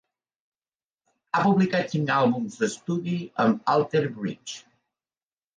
Ha publicat cinc àlbums d'estudi amb Alter Bridge.